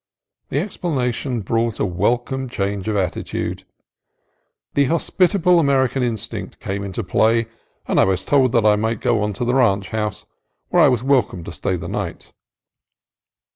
The explanation brought a welcome change of attitude. The hospitable American instinct came into play, and I was told that I might go on to the ranch house, where I was welcome to stay the night.